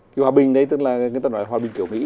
cái hòa bình đấy tức là người ta nói là hòa bình kiểu mỹ